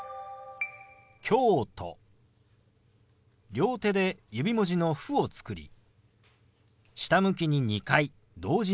両手で指文字の「フ」を作り下向きに２回同時に動かします。